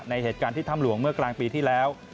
เหตุการณ์ที่ถ้ำหลวงเมื่อกลางปีที่แล้ว